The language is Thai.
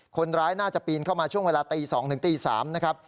คนร้ายน่าจะปีนเข้ามาช่วงเวลาตี๒ถึงตี๓นะครับ